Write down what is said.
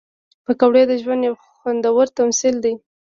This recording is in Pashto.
پکورې د ژوند یو خوندور تمثیل دی